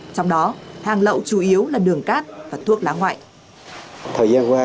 trong đó hàng lậu chủ yếu là đường cát và thuốc lá ngoại